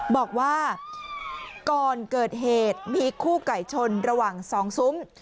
บอกว่าก่อนเกิดเหตุมีคู่ไก่ชนระหว่าง๒ซุ้ม